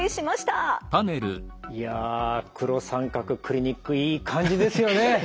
いや黒三角クリニックいい感じですよね。